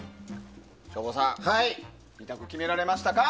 省吾さん、２択決められましたか？